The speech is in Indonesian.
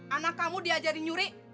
anak kamu diajari nyuri